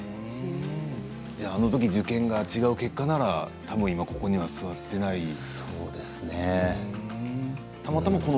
あのとき受験が違う結果ならたぶんここには座っていないですね。